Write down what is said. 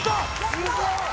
・すごい！